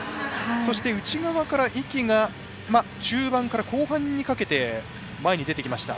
そして、内側から壹岐が中盤から後半にかけて前に出てきました。